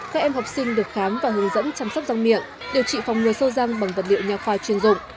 các em học sinh được khám và hướng dẫn chăm sóc răng miệng điều trị phòng ngừa sâu răng bằng vật liệu nhà khoa chuyên dụng